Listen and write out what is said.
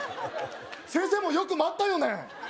先生もよく待ったよね